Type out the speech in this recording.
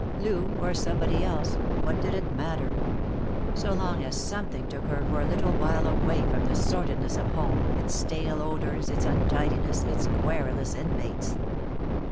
Lou or somebody else, what did it matter? So long as something took her for a little while away from the sordidness of home, its stale odors, its untidiness, its querulous inmates.